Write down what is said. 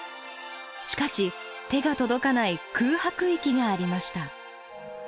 しかし手が届かない「空白域」がありました。